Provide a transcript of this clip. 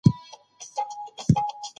خو دا اوسنۍيې بيخي په ناورين ژاړي.